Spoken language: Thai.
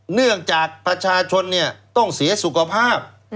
เนื่องจากประชาชนต้องเสียสุขภาพ